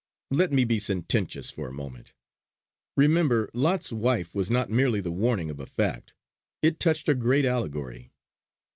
Let me be sententious for a moment. 'Remember Lot's wife' was not merely the warning of a fact; it touched a great allegory.